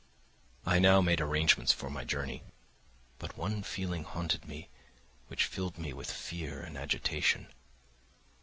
I now made arrangements for my journey, but one feeling haunted me which filled me with fear and agitation.